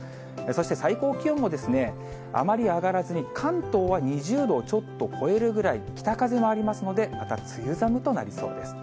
そして最高気温もあまり上がらずに、関東は２０度をちょっと超えるくらい、北風もありますので、また梅雨寒となりそうです。